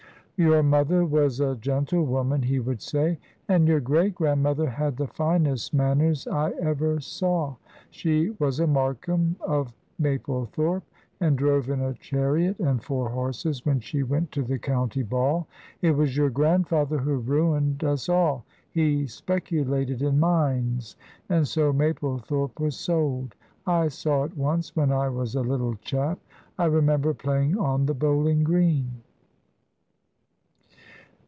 "Your mother was a gentlewoman," he would say, "and your great grandmother had the finest manners I ever saw; she was a Markham of Maplethorpe, and drove in a chariot and four horses when she went to the county ball. It was your grandfather who ruined us all; he speculated in mines, and so Maplethorpe was sold. I saw it once, when I was a little chap: I remember playing on the bowling green."